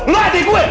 lu adik gue